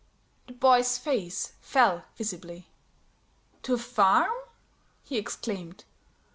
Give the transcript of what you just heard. The boy's face fell visibly. "To a farm!" he exclaimed.